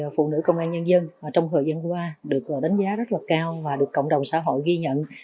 phụ nữ công an nhân dân trong thời gian qua được đánh giá rất là cao và được cộng đồng xã hội ghi nhận